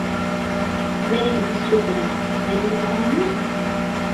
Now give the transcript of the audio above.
Mer i ak-d-ssutreɣ, ad iyi-tɛawneḍ?